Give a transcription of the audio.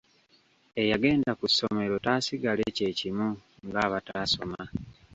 Eyagenda ku ssomero taasigale kye kimu ng’abataasoma.